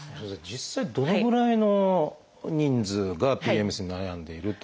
実際どのぐらいの人数がＰＭＳに悩んでいることになるんですか？